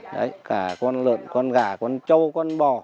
đấy cả con lợn con gà con trâu con bò